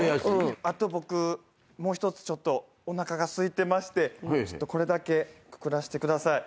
あと僕もう一つちょっとおなかがすいてましてこれだけくくらせてください。